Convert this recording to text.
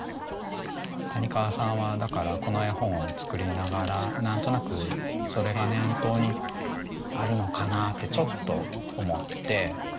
谷川さんはだからこの絵本を作りながら何となくそれが念頭にあるのかなってちょっと思って。